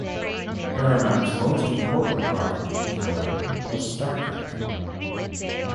Paramount's most important property, however, was "Star Trek".